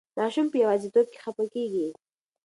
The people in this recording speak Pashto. ماشوم په یوازې توب کې خفه کېږي.